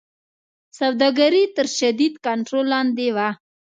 سوداګري تر شدید کنټرول لاندې وه.